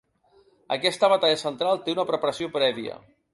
Aquesta batalla central té una preparació prèvia.